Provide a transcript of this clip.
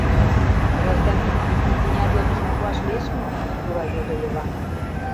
— Гражданин, икмыняр йодышым пуаш лиеш мо? — тура йодо Йыван.